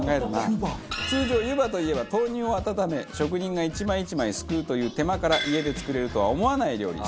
通常湯葉といえば豆乳を温め職人が１枚１枚すくうという手間から家で作れるとは思わない料理。